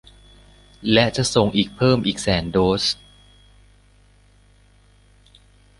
และจะส่งอีกเพิ่มอีกแสนโดส